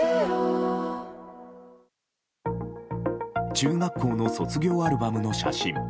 中学校の卒業アルバムの写真。